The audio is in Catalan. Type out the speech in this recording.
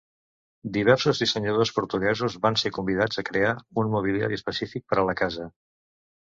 Diversos dissenyadors portuguesos van ser convidats a crear un mobiliari específic per a la casa.